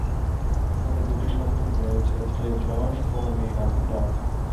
তাঁদের দুটি সন্তান রয়েছে: ছেলে যশ ও মেয়ে রাধিকা।